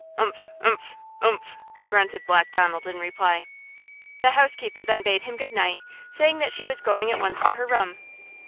"Umph! umph! umph!" grunted Black Donald in reply. The housekeeper then bade him good night, saying that she was going at once to her room.